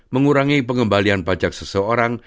mengurangi pengembalian pajak seseorang